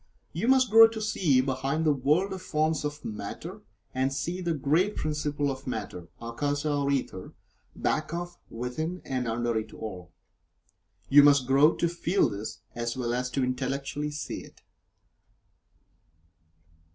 You must grow to see behind the world of forms of Matter, and see the great principle of Matter (Akasa or Ether) back of, within, and under it all. You must grow to feel this, as well as to intellectually see it.